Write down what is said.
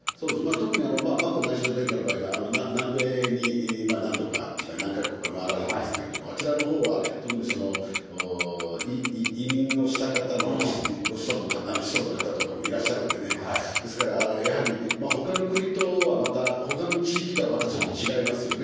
特に眞子内親王殿下の場合、南米に何度かというか、何か国か回られてますけど、あちらのほうは、特に移民をした方のご子孫の方とかもいらっしゃるんでね、ですから、やはりほかの国とは、また、ほかの地域とはまたちょっと違いますよね。